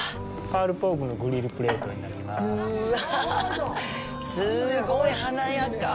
パールポークのグリルプレートになります。